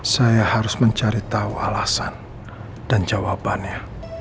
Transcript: saya harus mencari tahu alasan dan jawabannya